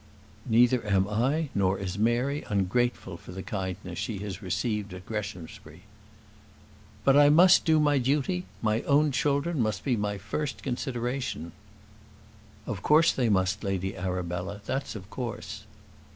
"Neither am I, nor is Mary, ungrateful for the kindness she has received at Greshamsbury." "But I must do my duty: my own children must be my first consideration." "Of course they must, Lady Arabella; that's of course."